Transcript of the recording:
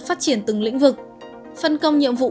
phát triển từng lĩnh vực phân công nhiệm vụ